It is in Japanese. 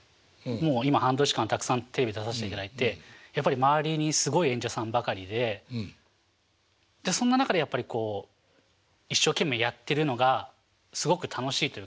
もう今半年間たくさんテレビ出させていただいてやっぱり周りにすごい演者さんばかりでそんな中でやっぱりこう一生懸命やってるのがすごく楽しいというか。